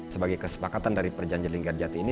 sebagai kesepakatan dari perjanjian lingkar jati ini